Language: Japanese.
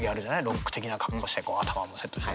ロック的な格好してこう頭もセットして。